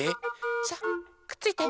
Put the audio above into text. さあくっついて！